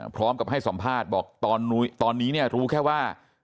พร้อมกับให้สัมภาษณ์บอกตอนนี้เนี่ยรู้แค่ว่า